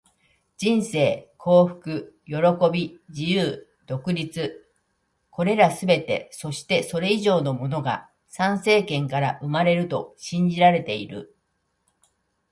人生、幸福、喜び、自由、独立――これらすべて、そしてそれ以上のものが参政権から生まれると信じられている。